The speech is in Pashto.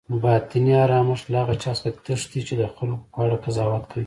باطني آرامښت له هغه چا څخه تښتي چی د خلکو په اړه قضاوت کوي